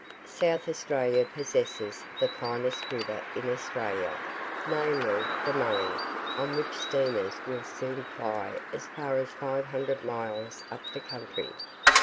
South Australia possesses the finest river in Australia namely, the Murray, on which steamers will soon ply as far as five hundred miles up the country.